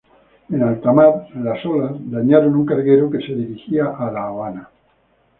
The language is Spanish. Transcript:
En alta mar, las olas dañaron un carguero que se dirigía a Florida.